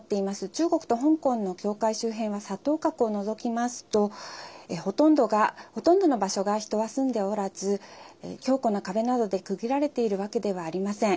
中国と香港の境界周辺は沙頭角を除きますとほとんどの場所が人は住んでおらず強固な壁などで区切られているわけではありません。